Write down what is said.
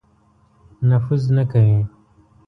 نفوذ نه کوي.